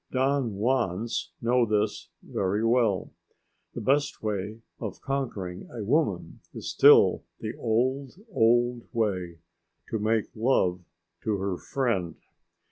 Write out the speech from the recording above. Don Juans know this very well. The best way of conquering a woman is still the old, old way: to make love to her friend.